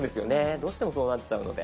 どうしてもそうなっちゃうので。